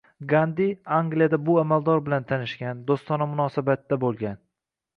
Gandi Angliyada bu amaldor bilan tanishgan, doʻstona munosabatda edi